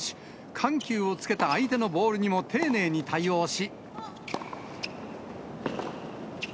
緩急をつけた相手のボールにも丁寧に対応し。